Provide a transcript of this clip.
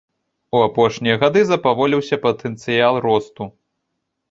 У апошнія гады запаволіўся патэнцыял росту.